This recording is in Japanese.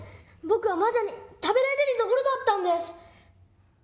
僕は魔女に食べられるところだったんです！